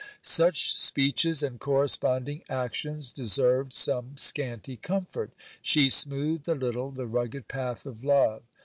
Such speeches and corresponding actions deserved some scanty comfort. She smoothed a little the rugged path of love.